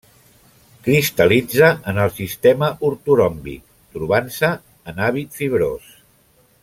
Cristal·litza en el sistema ortoròmbic trobant-se en hàbit fibrós.